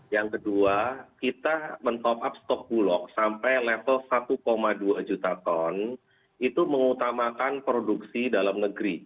yang kedua kita men top up stok bulog sampai level satu dua juta ton itu mengutamakan produksi dalam negeri